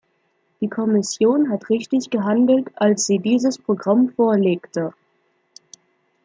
Die Kommission hat richtig gehandelt, als sie dieses Programm vorlegte.